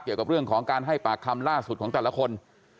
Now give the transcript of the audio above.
เกี่ยวกับเรื่องของการให้ปากคำล่าสุดของแต่ละคน